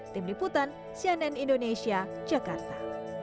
tim liputan cnn indonesia jakarta